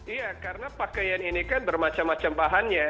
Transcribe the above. iya karena pakaian ini kan bermacam macam bahannya